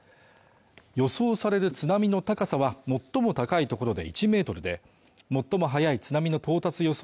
予想される津波の高さは最も高いところで１メートルで最も早い津波の到達予想